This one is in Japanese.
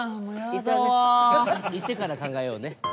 一回ね行ってから考えようね。